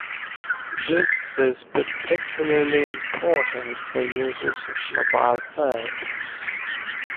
This is particularly important for users of mobile phones.